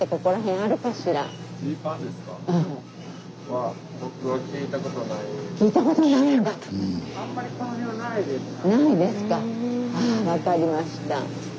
ああ分かりました。